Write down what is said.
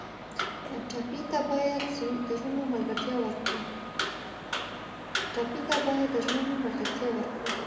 ټپي ته باید د زړونو ملګرتیا ورکړو.